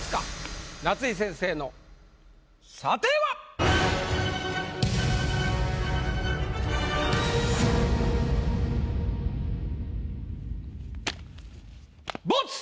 夏井先生の査定は⁉ボツ！